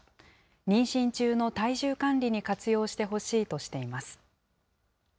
妊娠中の体重管理に活用してほしいとしています。